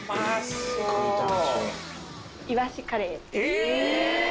え！